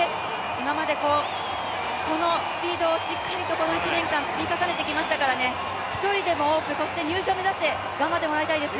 今までこのスピードをしっかりとこの一年間積み重ねてきましたからね１人でも多く、入賞を目指して頑張ってほしいです！